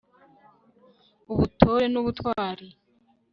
ubutore n'ubutwari